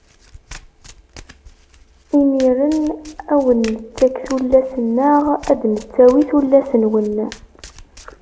Imiren ad wen-nettak tullas-nneɣ, ad d-nettawi tullas-nwen.